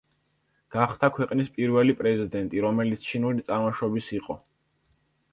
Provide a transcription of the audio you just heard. გახდა ქვეყნის პირველი პრეზიდენტი, რომელიც ჩინური წარმოშობის იყო.